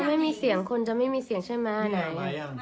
ถ้าไม่มีเสียงคนจะไม่มีเสียงใช่มะไหนมายัง